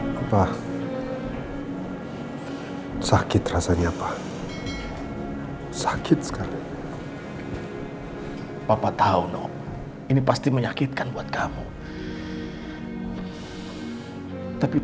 hubungan dengan raiio tidak burung